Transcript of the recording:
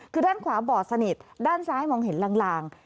คือด้านขวาบอดสนิทด้านซ้ายมองเห็นลาง